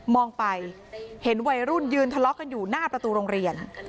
ไปเห็นวัยรุ่นยืนทะเลาะกันอยู่หน้าประตูโรงเรียน